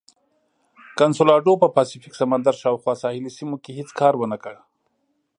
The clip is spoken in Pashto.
کنسولاډو په پاسفیک سمندر شاوخوا ساحلي سیمو کې هېڅ کار ونه کړ.